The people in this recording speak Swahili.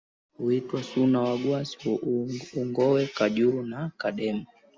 huitwa Suna Wagwasi Ungoe Kajulu na Kadem